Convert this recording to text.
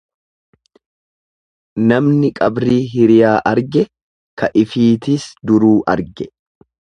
Namni qabrii hiriyaa arge ka ifiitiis duruu arge.